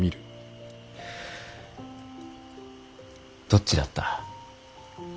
どっちだった。